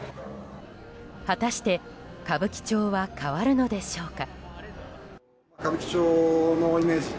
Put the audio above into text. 果たして歌舞伎町は変わるのでしょうか。